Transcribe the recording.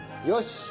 よし。